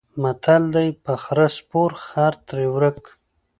متل دی: په خره سپور خر ترې ورک.